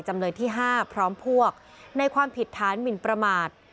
จำเลยที่๕พร้อมพวกในความผิดฐานหมินประมาท